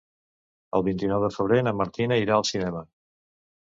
El vint-i-nou de febrer na Martina irà al cinema.